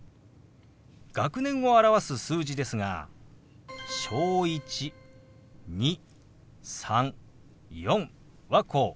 学年を表す数字ですが「小１」「２」「３」「４」はこう。